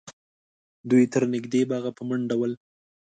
دوی تر نږدې باغه په منډه ول